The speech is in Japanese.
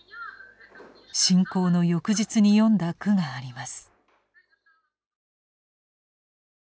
侵攻の翌日に詠んだ句があります。